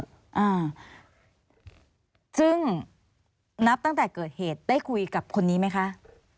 อ่าซึ่งนับตั้งแต่เกิดเหตุได้คุยกับคนนี้ไหมคะ